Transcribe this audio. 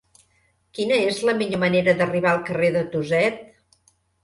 Quina és la millor manera d'arribar al carrer de Tuset?